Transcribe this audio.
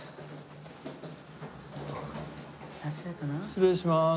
失礼します。